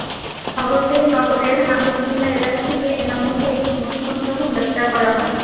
খবর পেয়ে নগরের আন্দরকিল্লা এলাকা থেকে এনামুলকে একটি মুঠোফোনসহ গ্রেপ্তার করা হয়।